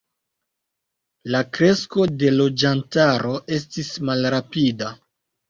La kresko de loĝantaro estis malrapida.